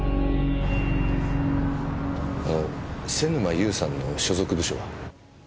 あの瀬沼優さんの所属部署は？